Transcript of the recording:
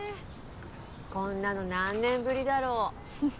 こんなの何年ぶりだろ。